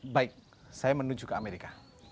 baik saya menuju ke amerika